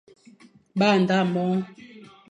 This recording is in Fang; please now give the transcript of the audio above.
Ba nda mo,